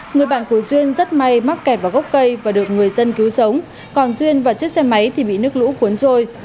người bạn của duyên rất may mắc kẹt vào gốc cây và được người dân cứu sống còn duyên và chiếc xe máy thì bị nước lũ cuốn trôi